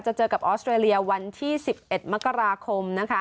เจอกับออสเตรเลียวันที่๑๑มกราคม